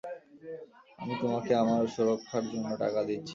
আমি তোমাকে আমার সুরক্ষার জন্য টাকা দিচ্ছি!